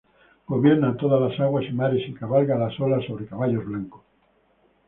Gobierna todas las aguas y mares y cabalga las olas sobre caballos blancos.